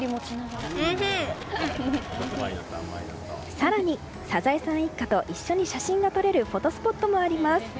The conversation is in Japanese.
更に、サザエさん一家と一緒に写真が撮れるフォトスポットもあります。